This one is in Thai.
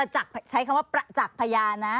ใช้คำว่าประจักษ์พยานนะ